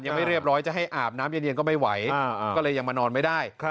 ยังไม่เรียบร้อยจะให้อาบน้ำเย็นก็ไม่ไหวก็เลยยังมานอนไม่ได้